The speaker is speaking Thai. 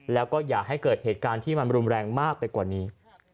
แล้วก็อย่าให้เกิดเหตุการณ์ที่มันรุนแรงมากไปกว่านี้